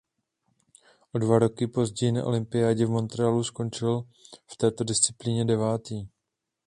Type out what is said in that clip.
O dva roky později na olympiádě v Montrealu skončil v této disciplíně devátý.